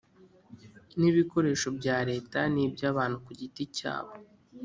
n ibikoresho bya Leta n iby abantu ku giti cyabo